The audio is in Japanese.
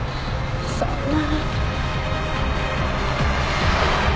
そんな。